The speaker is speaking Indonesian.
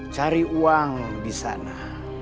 cari uang di sana